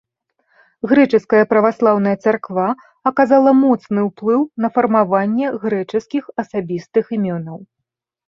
Грэчаская праваслаўная царква аказала моцны ўплыў на фармаванне грэчаскіх асабістых імёнаў.